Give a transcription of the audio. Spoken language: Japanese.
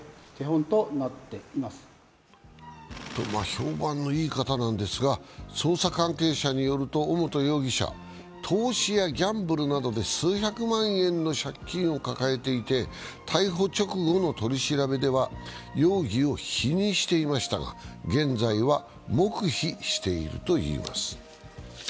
評判の言い方なんですが捜査関係者によると尾本容疑者は投資やギャンブルなどで数百万円の借金を抱えていて、逮捕直後の取り調べでは容疑を否認していましたが、現在は黙秘しているといいます。